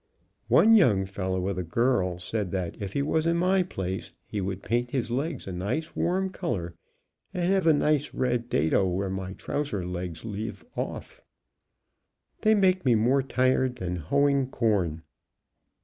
One young fellow with a girl said that if he was in my place he would paint his legs a nice warm color and have a red dado where my trousers' legs leave off. They make me more tired than hoeing corn."